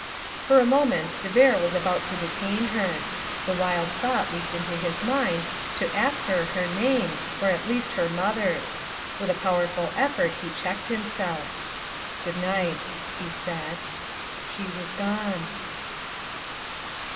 For a moment de Vere was about to detain her. The wild thought leaped to his mind to ask her her name or at least her mother's. With a powerful effort he checked himself. "Good night," he said. She was gone.